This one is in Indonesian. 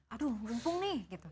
aduh lumpung nih gitu